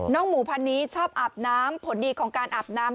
หมูพันนี้ชอบอาบน้ำผลดีของการอาบน้ำ